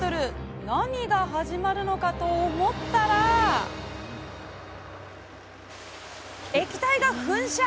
何が始まるのかと思ったら液体が噴射！